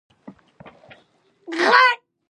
بامیان د افغانانو د تفریح یوه وسیله ده.